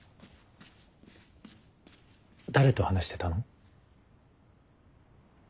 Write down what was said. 誰と話してたの？